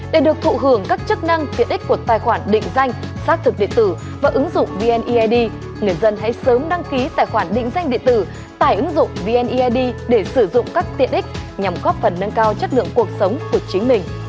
để được thụ hưởng các chức năng tiện ích của tài khoản định danh xác thực điện tử và ứng dụng vneid người dân hãy sớm đăng ký tài khoản định danh điện tử tải ứng dụng vneid để sử dụng các tiện ích nhằm góp phần nâng cao chất lượng cuộc sống của chính mình